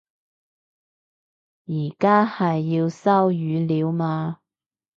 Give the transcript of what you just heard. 而家係要收語料嘛